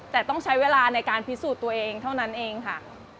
แต่ต้องใช้เวลาในการพิสูจน์ตัวเองเท่านั้นเองค่ะ